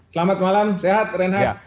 selamat malam sehat renha